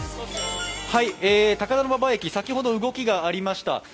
高田馬場駅、先ほど動きがありました。